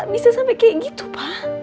bisa sampai kayak gitu pak